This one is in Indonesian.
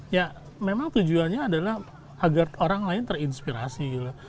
ya memang tujuannya adalah agar orang lain terinspirasi gitu